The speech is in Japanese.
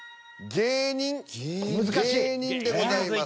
「芸人」でございます。